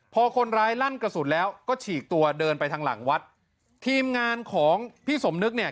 พอคนร้ายลั่นกระสุนแล้วก็ฉีกตัวเดินไปทางหลังวัดทีมงานของพี่สมนึกเนี่ย